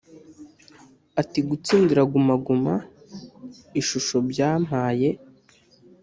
Ati “ Gutsindira Guma Guma ishusho byampaye